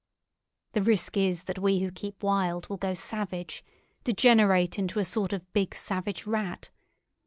The risk is that we who keep wild will go savage—degenerate into a sort of big, savage rat.